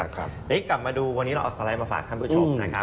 วันนี้กลับมาดูวันนี้เราเอาสไลด์มาฝากท่านผู้ชมนะครับ